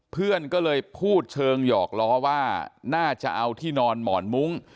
เพื่อนก็เลยพูดเชิงหยอกล้อว่าน่าจะเอาที่นอนหมอนมุ้ง